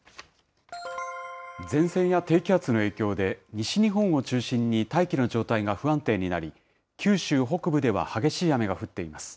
前線や低気圧の影響で、西日本を中心に大気の状態が不安定になり、九州北部では激しい雨が降っています。